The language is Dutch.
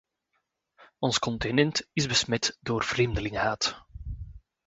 Ons continent is besmet door vreemdelingenhaat.